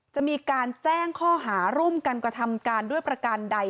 จะมีการแจ้งข้อหาร่วมกันกระทำการด้วยประการใด